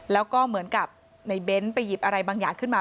แล้วก็เหมือนกับในเบ้นไปหยิบอะไรบางอย่างขึ้นมา